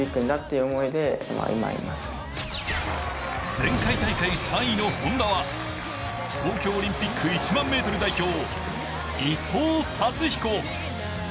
前回大会３位のＨｏｎｄａは東京オリンピック１００００ｍ代表、伊藤達彦。